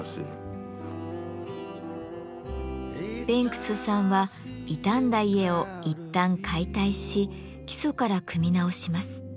ベンクスさんは傷んだ家をいったん解体し基礎から組み直します。